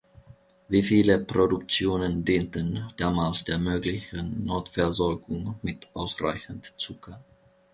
Viele Produktionen dienten damals der möglichen Notversorgung mit ausreichend Zucker.